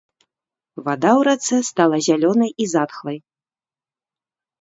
Вада ў рацэ стала зялёнай і затхлай.